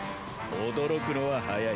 驚くのは早い。